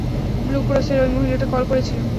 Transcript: Blue ক্রসের ওই মহিলাটা কল করেছিল।